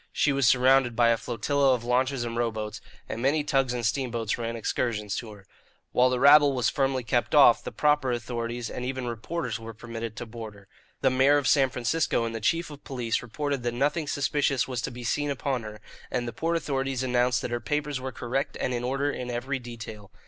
She was surrounded by a flotilla of launches and rowboats, and many tugs and steamboats ran excursions to her. While the rabble was firmly kept off, the proper authorities and even reporters were permitted to board her. The mayor of San Francisco and the chief of police reported that nothing suspicious was to be seen upon her, and the port authorities announced that her papers were correct and in order in every detail.